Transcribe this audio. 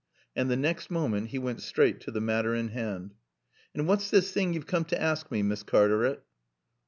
And the next moment he went straight to the matter in hand. "An' what's this thing you've coom to aassk me, Miss Cartaret?"